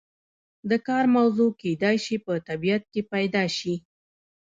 د کار موضوع کیدای شي په طبیعت کې پیدا شي.